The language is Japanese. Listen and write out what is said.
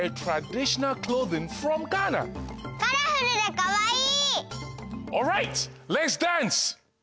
カラフルでかわいい！